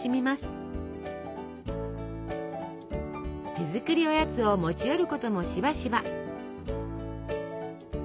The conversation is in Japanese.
手作りおやつを持ち寄ることもしばしば。